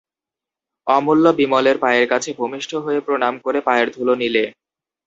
অমূল্য বিমলের পায়ের কাছে ভূমিষ্ঠ হয়ে প্রণাম করে পায়ের ধুলো নিলে।